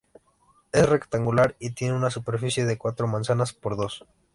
Es rectangular y tiene una superficie de cuatro manzanas por dos.